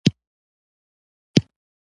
د نسخې کیمیاوي تجزیه کاربن له پاره وشي.